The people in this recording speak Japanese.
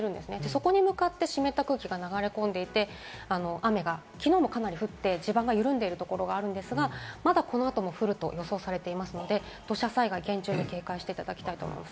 そこに向かって湿った空気が流れ込んでいて、雨がきのうもかなり降って地盤が緩んでいるところもあるんですが、まだこの後も予想されていますので、土砂災害、厳重に警戒してほしいと思います。